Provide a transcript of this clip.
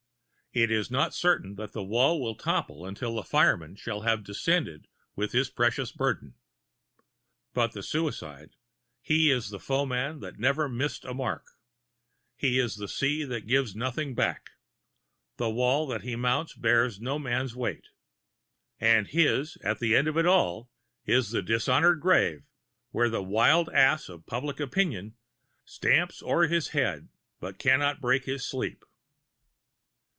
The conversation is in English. It is not certain that the wall will topple until the fireman shall have descended with his precious burden. But the suicide his is the foeman that never missed a mark, his the sea that gives nothing back; the wall that he mounts bears no man's weight And his, at the end of it all, is the dishonored grave where the wild ass of public opinion "Stamps o'er his head but can not break his sleep."